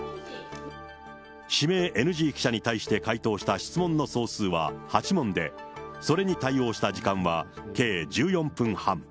指名ＮＧ記者に対して回答した質問の総数は８問で、それに対応した時間は計１４分半。